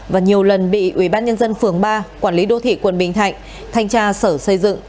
và nhiều lần bị ubnd phường ba quản lý đô thị quận bình thạnh thanh tra sở xây dựng